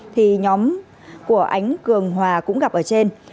thì nhóm của ánh cường hòa cũng gặp ở trên